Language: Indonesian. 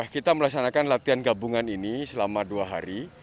kita melaksanakan latihan gabungan ini selama dua hari